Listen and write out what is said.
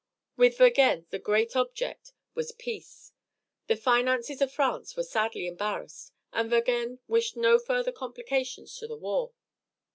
With Vergennes the great object was peace. The finances of France were sadly embarrassed, and Vergennes wished no further complications to the war.